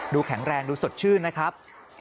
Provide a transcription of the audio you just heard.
แข็งแรงดูสดชื่นนะครับ